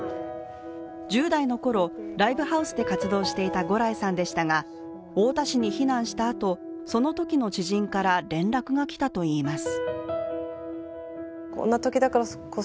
１０代のころ、ライブハウスで活動していた牛来さんでしたが太田市に避難したあと、そのときの知人から連絡が来たといいます。